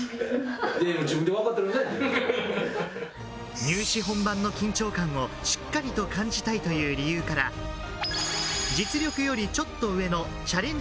入試本番の緊張感をしっかりと感じたいという理由から、実力よりちょっと上のチャレンジ